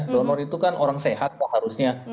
donor itu kan orang sehat kan harusnya